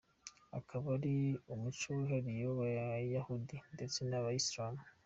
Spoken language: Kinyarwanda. Akaba ari umuco wihariye w’Abayuda ndetse n’Abayisilamu.